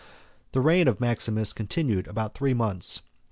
] The reign of Maximus continued about three months.